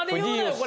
これ。